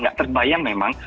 nggak terbayang memang